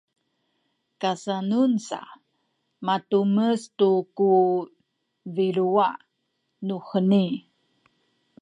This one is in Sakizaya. kasenun sa matumes tu ku biluwa nuheni